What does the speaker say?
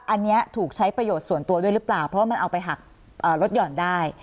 อันนี้ถูกใช้ประโยชน์ส่วนตัวด้วยหรือเปล่าเพราะว่ามันเอาไปหักลดหย่อนได้